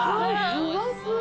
ふわふわ。